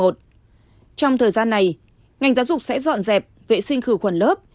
trong thời gian này ngành giáo dục sẽ dọn dẹp vệ sinh khử khuẩn lớp